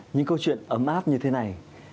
những câu chuyện ấm áp như thế này